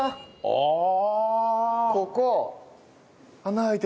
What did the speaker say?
ああ。